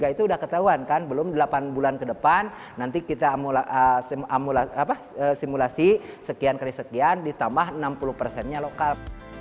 itu sudah ketahuan kan belum delapan bulan ke depan nanti kita simulasi sekian kali sekian ditambah enam puluh persennya lokal